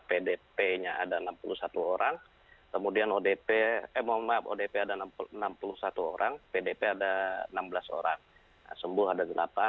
pdp nya ada enam puluh satu orang pdp ada enam belas orang sembuh ada delapan